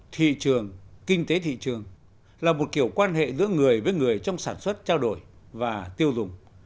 thị trường kinh tế thị trường là một kiểu quan hệ giữa người với người trong sản xuất trao đổi và tiêu dùng